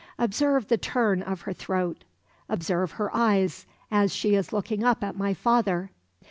Observe the turn of her throat. Observe her eyes, as she is looking up at my father.